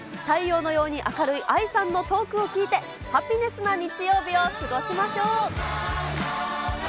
太陽のように明るいＡＩさんのトークを聞いて、ハピネスな日曜日を過ごしましょう。